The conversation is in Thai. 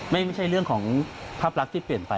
ไม่ใช่เรื่องของภาพลักษณ์ที่เปลี่ยนไป